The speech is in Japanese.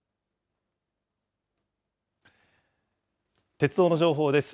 鉄道の情報です。